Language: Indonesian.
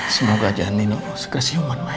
semoga aja nino sekesiuman ma